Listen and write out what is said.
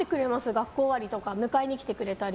学校終わりとか迎えに来てくれたり。